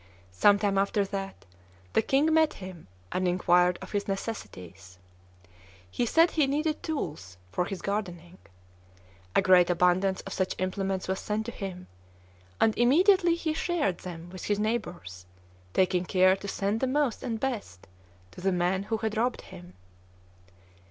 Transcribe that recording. Some time after that, the king met him, and inquired of his necessities. He said he needed tools for his gardening. A great abundance of such implements was sent to him; and immediately he shared them with his neighbors, taking care to send the most and best to the man who had robbed him.